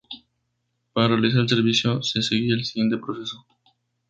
Para realizar el servicio, se seguía el siguiente proceso.